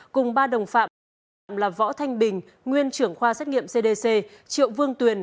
cùng ba đồng phạm là võ thanh bình nguyên trưởng khoa xét nghiệm cdc triệu vương tuyền